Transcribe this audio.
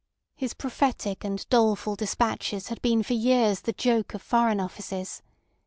His prophetic and doleful despatches had been for years the joke of Foreign Offices.